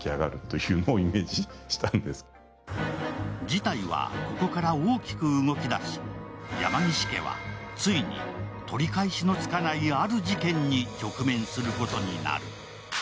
事態は、ここから大きく動き出し、山岸家はついに取り返しのつかないある事件に直面することになる。